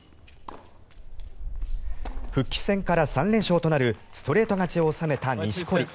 復帰戦から３連勝となるストレート勝ちを収めた錦織。